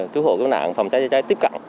cứu hộ cứu nạn phòng trái trợ trái tiếp cận